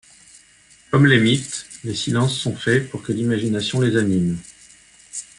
Comme les mythes, les silences sont faits pour que l’imagination les anime.